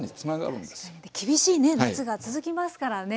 確かに厳しいね夏が続きますからね。